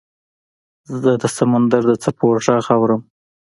زه د سمندر د څپو غږ اورم .